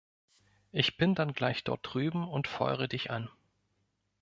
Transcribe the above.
Ich bin dann gleich dort drüben und feure dich an.